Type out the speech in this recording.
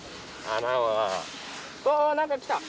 ああなんか来た！